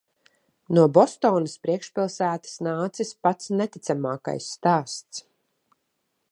No Bostonas priekšpilsētas nācis pats neticamākais stāsts.